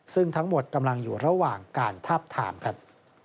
ซึ่งทั้งหมดกำลังอยู่ระหว่างการทาบทามครับ